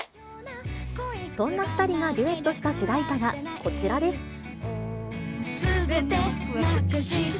そんな２人がデュエットした主題歌がこちらです。